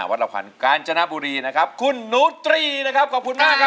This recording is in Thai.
วัดละขวัญกาญจนบุรีนะครับคุณหนูตรีนะครับขอบคุณมากครับ